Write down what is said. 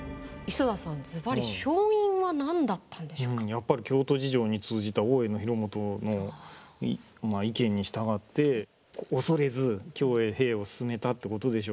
やっぱり京都事情に通じた大江広元の意見に従って恐れず京へ兵を進めたってことでしょうね。